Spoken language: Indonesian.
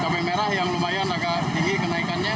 cabai merah yang lumayan agak tinggi kenaikannya